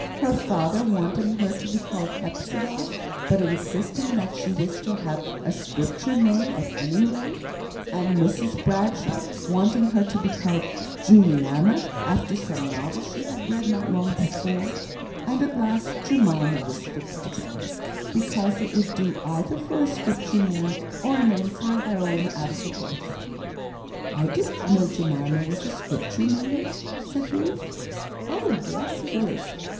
Her father wanting her to be called Hepzibah, but insisting that she was to have a Scripture name at any rate; and Mrs Bradshaw wanting her to be Juliana, after some novel she had read not long before; and at last Jemima was fixed upon, because it would do either for a Scripture name or a name for a heroine out of a book." "I did not know Jemima was a Scripture name," said Ruth. "Oh yes, it is.